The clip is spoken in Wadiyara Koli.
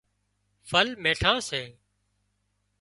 ڦل ميٺان سي